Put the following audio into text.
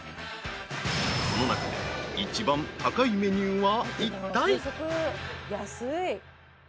［この中で一番高いメニューはいったい］